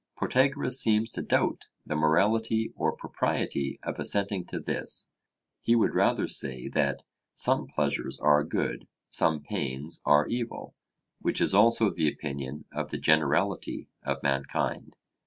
Protagoras seems to doubt the morality or propriety of assenting to this; he would rather say that 'some pleasures are good, some pains are evil,' which is also the opinion of the generality of mankind.